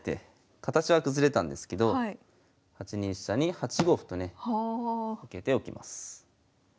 形は崩れたんですけど８二飛車に８五歩とね受けておきます。